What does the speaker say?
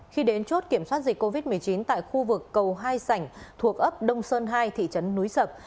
khi đến chốt kiểm soát dịch covid một mươi chín tại khu vực cầu hai sảnh thuộc ấp đông sơn hai thị trấn núi sập